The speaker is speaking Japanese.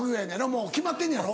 もう決まってんのやろ？